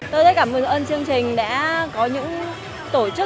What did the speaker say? tôi rất cảm ơn chương trình đã có những tổ chức